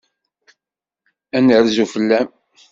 Ad d-nerzu fell-am.